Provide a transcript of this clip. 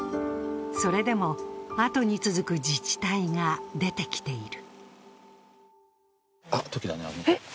それでも後に続く自治体が出てきている。